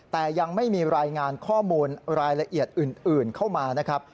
แต่ยังไม่มีรายงานข้อมูลรายละเอียดอื่นเข้ามานะครับ